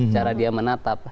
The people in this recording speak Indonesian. cara dia menatap